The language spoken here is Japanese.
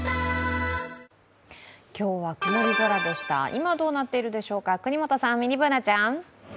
今どうなっているでしょうか、國本さん、ミニＢｏｏｎａちゃん。